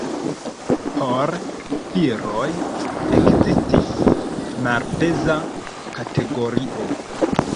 Por viroj ekzistis malpeza kategorio.